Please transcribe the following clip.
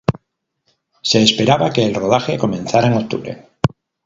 Se esperaba que el rodaje comenzara en octubre.